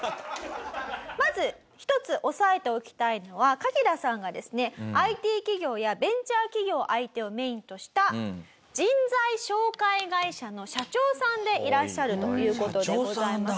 まず一つ押さえておきたいのはカキダさんがですねＩＴ企業やベンチャー企業相手をメインとした人材紹介会社の社長さんでいらっしゃるという事でございます。